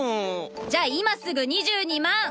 じゃあ今すぐ２２万！